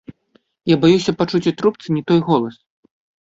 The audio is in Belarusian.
Я баюся пачуць у трубцы не той голас.